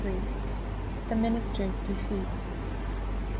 THE MINISTER'S DEFEAT.